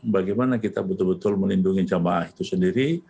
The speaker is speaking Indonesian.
bagaimana kita betul betul melindungi jemaah itu sendiri